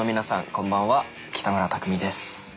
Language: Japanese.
こんばんは北村匠海です。